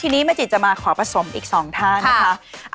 ทีนี้แม่จิตจะมาขอผสมอีก๒ท่านนะคะ